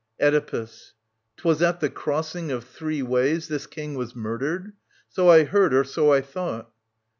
| Oedipus. *Twas at the crossing of three ways this King Was murdered ? So I heard or so I thought.